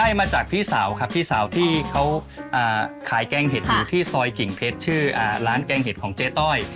มาจากพี่สาวครับพี่สาวที่เขาขายแกงเห็ดอยู่ที่ซอยกิ่งเพชรชื่อร้านแกงเห็ดของเจ๊ต้อย